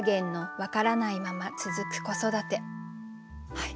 はい。